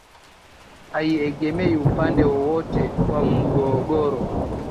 haiegemei upande wowote wa mgogoro